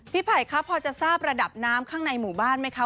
ไผ่ครับพอจะทราบระดับน้ำข้างในหมู่บ้านไหมคะ